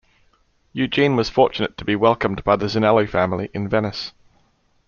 Eugene was fortunate to be welcomed by the Zinelli family in Venice.